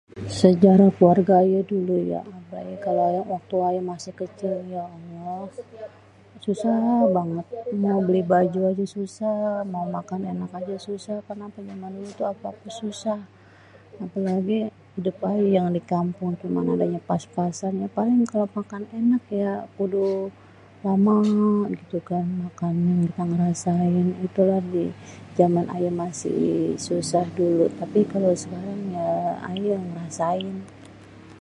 Sejarah keluarga ayé dulu ya waktu ayeé masih kecil, Ya Allah susah banget, mau beli baju aja susah, mau makan enak aja susah, namanya jaman dulu apa-apa susah. Apalagi idup ayé di kampung tu mana adanya pas-pasan. Paling kalo mau makan enak ya kudu lama gitu kan makannya, dulu ayé ngerasain jaman ayé masih susah dulu tapi kalo sekarang ya ayé yang ngerasain.